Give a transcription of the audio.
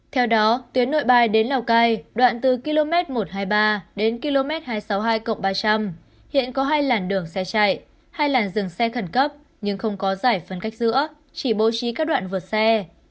theo đó tuyến nội bài đến lào cai đoạn từ km một trăm hai mươi ba đến km hai trăm sáu mươi hai ba trăm linh hiện có hai làn đường xe chạy hai làn dừng xe khẩn cấp nhưng không có giải phân cách giữa chỉ bố trí các đoạn vượt xe